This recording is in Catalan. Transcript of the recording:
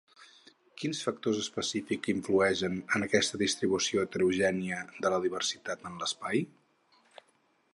Quins factors específics influeixen en aquesta distribució heterogènia de la diversitat en l’espai?